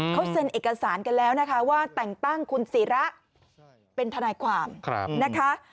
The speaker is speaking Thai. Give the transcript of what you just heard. เขาเซ็นเอกสารกันแล้วนะคะว่าแต่งตั้งคุณศิระเป็นทนายความนะคะ